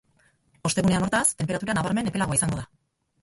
Ostegunean, hortaz, tenperatura nabarmen epelagoa izango da.